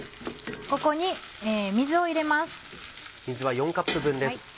ここに水を入れます。